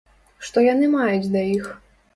Што яны маюць да іх?